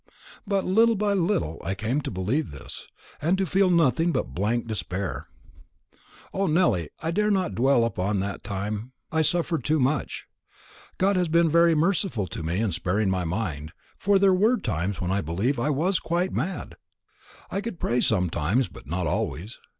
But, little by little, I came to believe this, and to feel nothing but a blank despair. O, Nelly, I dare not dwell upon that time! I suffered too much. God has been very merciful to me in sparing me my mind; for there were times when I believe I was quite mad. I could pray sometimes, but not always.